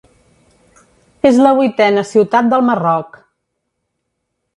És la vuitena ciutat del Marroc.